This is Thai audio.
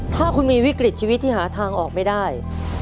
ถ้าคุณมีวิกฤตชีวิตที่หาทางออกไม่ได้